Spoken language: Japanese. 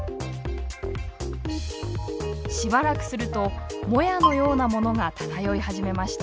しばらくするともやのようなものが漂い始めました。